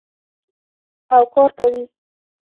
او کار کوي.